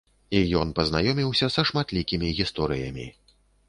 І ён пазнаёміўся са шматлікімі гісторыямі.